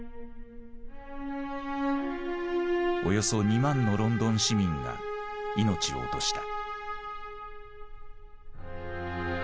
およそ２万のロンドン市民が命を落とした。